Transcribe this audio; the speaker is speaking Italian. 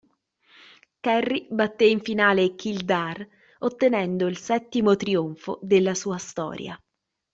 Kerry batté in finale Kildare ottenendo il settimo trionfo della sua storia.